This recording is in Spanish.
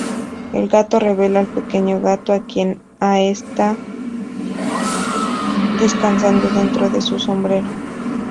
El Gato revela al Pequeño gato A quien está descansando dentro de su sombrero.